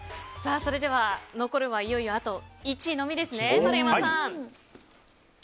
それでは残るはいよいよ１位のみです。